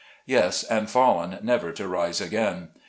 Yes, and fallen never to rise again.